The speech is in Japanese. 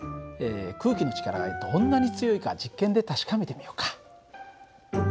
空気の力がどんなに強いか実験で確かめてみようか。